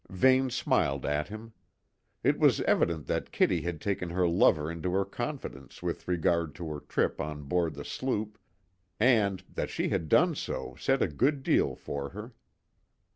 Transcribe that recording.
Vane smiled at him. It was evident that Kitty had taken her lover into her confidence with regard to her trip on board the sloop, and, that she had done so said a good deal for her.